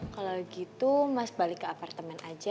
kalau gitu mas balik ke apartemen aja